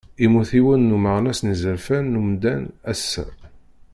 Immut yiwen n umeɣnas n yizerfan n umdan ass-a.